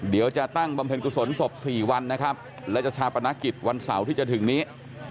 จะตั้งบำเพ็ญกุศลศพ๔วันนะครับและจะชาปนกิจวันเสาร์ที่จะถึงนี้